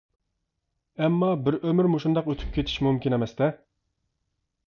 ئەمما بىر ئۆمۈر مۇشۇنداق ئۆتۈپ كېتىش مۇمكىن ئەمەستە.